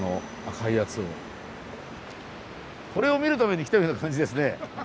これを見るために来たような感じですね。